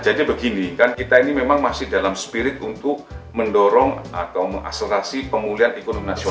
jadi begini kita ini memang masih dalam spirit untuk mendorong atau mengaksesasi pengulihan ekonomi nasional